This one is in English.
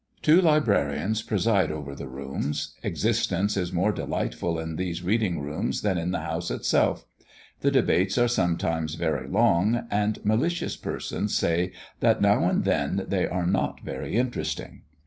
Two librarians preside over the rooms. Existence is more delightful in these reading rooms than in the House itself. The debates are sometimes very long, and malicious persons say that now and then they are not very interesting.